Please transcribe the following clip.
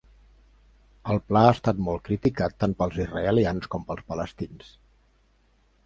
El pla ha estat molt criticat tant pels israelians com pels palestins.